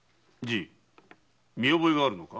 見覚えがあるのか？